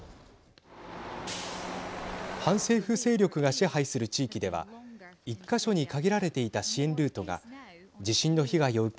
反政府勢力が支配する地域では１か所に限られていた支援ルートが地震の被害を受け